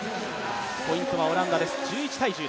ポイントはオランダです。